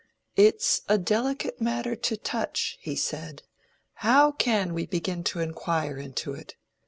"It is a delicate matter to touch," he said. "How can we begin to inquire into it?